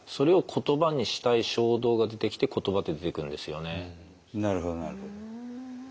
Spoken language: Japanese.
多分ねなるほどなるほど。